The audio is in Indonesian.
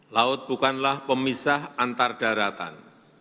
laut bukanlah pemisah antardaratan